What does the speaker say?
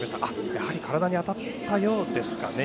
やはり体に当たったようですかね。